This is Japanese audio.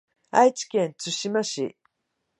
愛知県津島市